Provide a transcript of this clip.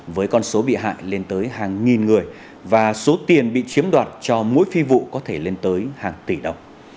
với con số bị hại lên tới hàng nghìn người và số tiền bị chiếm đoạt cho mỗi phi vụ có thể lên tới hàng tỷ đồng